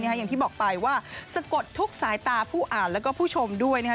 อย่างที่บอกไปว่าสะกดทุกสายตาผู้อ่านแล้วก็ผู้ชมด้วยนะคะ